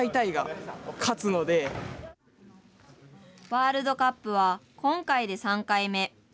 ワールドカップは今回で３回目。